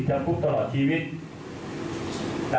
จับปุ๊บตลอดชีวิต